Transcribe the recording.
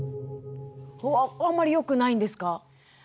あんまりよくないんですか？